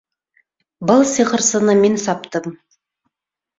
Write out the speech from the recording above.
Был сихырсыны мин саптым.